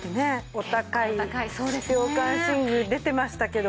お高い涼感寝具出てましたけど。